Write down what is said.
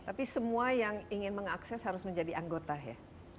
tapi semua yang ingin mengakses harus menjadi anggota ya